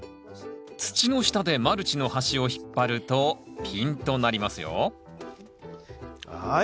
土の下でマルチの端を引っ張るとピンとなりますよはい。